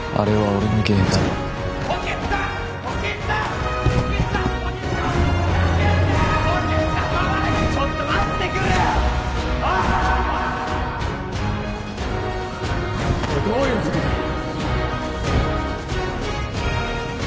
おいどういうことだよ！？